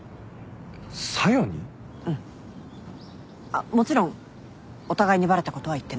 あっもちろんお互いにバレたことは言ってない。